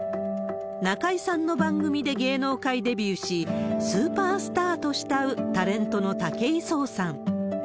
中居さんの番組で芸能界デビューし、スーパースターと慕う、タレントの武井壮さん。